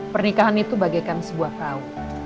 pernikahan itu bagaikan sebuah kau